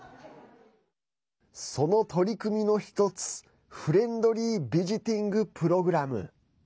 その取り組みの１つフレンドリー・ビジティング・プログラム。